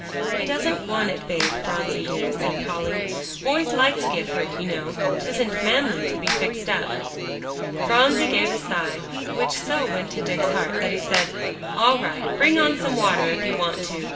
"He doesn't want it bathed, Phronsie dear," said Polly. "Boys like to get hurt, you know. 'Tisn't manly to be fixed up." Phronsie gave a sigh, which so went to Dick's heart, that he said, "All right, bring on some water if you want to.